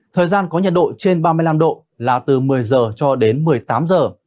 thời gian có nhiệt độ trên ba mươi năm độ là từ một mươi giờ cho đến một mươi tám giờ